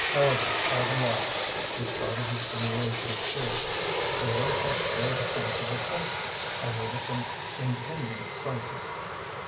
However, all the while, in spite of her stimulation of spirits, there was that vague sense of excitement, as over some impending crisis.